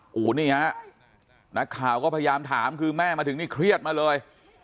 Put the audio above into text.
โอ้โหนี่ฮะนักข่าวก็พยายามถามคือแม่มาถึงนี่เครียดมาเลย